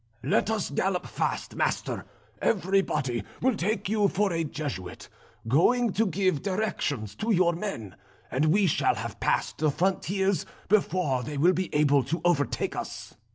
"Let us gallop fast, master, everybody will take you for a Jesuit, going to give directions to your men, and we shall have passed the frontiers before they will be able to overtake us."